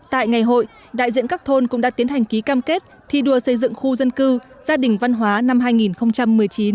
tại ngày hội đại diện các thôn cũng đã tiến hành ký cam kết thi đua xây dựng khu dân cư gia đình văn hóa năm hai nghìn một mươi chín